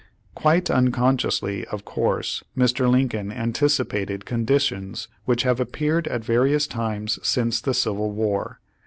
Quite unconsciously of course Mr. Lincoln antic ipated conditions which have appeared at various times since the Civil War.